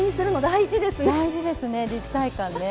大事ですね立体感ね。